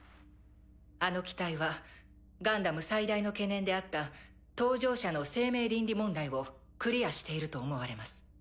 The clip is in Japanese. あの機体はガンダム最大の懸念であった搭乗者の生命倫理問題をクリアしていると思われます。